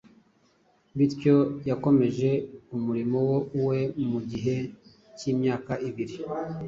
Bityo yakomeje umurimo we mu gihe cy’imyaka ibiri,